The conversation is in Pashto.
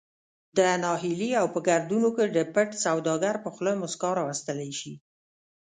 د نهیلي او په گردونو کی د پټ سوداگر په خوله مسکا راوستلې شي